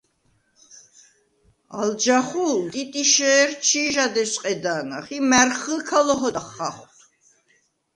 ალ ჯახუ̄ლ ტიტიშე̄რ ჩი̄ჟად ესვყედა̄ნახ ი მა̈რხჷ ქა ლოჰოდახ ხახვდ.